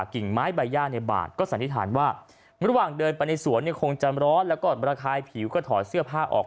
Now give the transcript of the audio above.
กิ่งไม้ใบย่าในบาทก็สันนิษฐานว่าระหว่างเดินไปในสวนเนี่ยคงจะร้อนแล้วก็ระคายผิวก็ถอดเสื้อผ้าออก